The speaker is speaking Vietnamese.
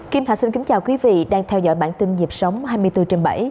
kim thạch xin kính chào quý vị đang theo dõi bản tin nhịp sống hai mươi bốn trên bảy